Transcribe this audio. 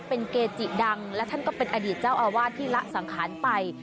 เป็นเกจิดังและท่านก็เป็นอดีตเจ้าอาวาสที่ละสังขารไป